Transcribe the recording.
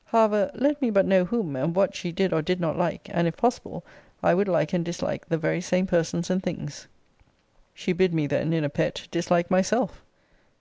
] However, let me but know whom and what she did or did not like; and, if possible, I would like and dislike the very same persons and things. She bid me then, in a pet, dislike myself.